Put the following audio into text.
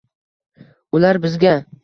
Ular bizga